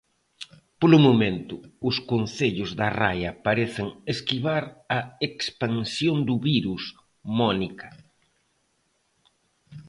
Polo momento, os concellos da raia parecen esquivar a expansión do virus, Mónica.